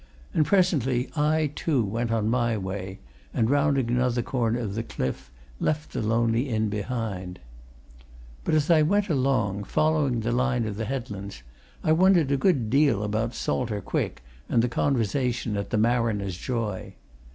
And presently I, too, went on my way, and rounding another corner of the cliff left the lonely inn behind me. But as I went along, following the line of the headlands, I wondered a good deal about Salter Quick and the conversation at the Mariner's Joy.